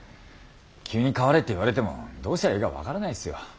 急に変われって言われてもどうしたらいいか分からないですよ。